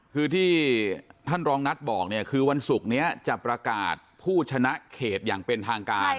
คือที่ท่านรองนัทบอกเนี่ยคือวันศุกร์นี้จะประกาศผู้ชนะเขตอย่างเป็นทางการ